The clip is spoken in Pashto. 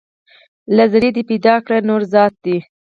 له ذرې دې پیدا کړي نور ذرات دي